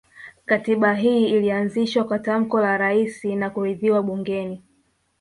Katiba hii ilianzishwa kwa tamko la Rais na kuridhiwa bungeni